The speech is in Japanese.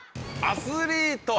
アスリート。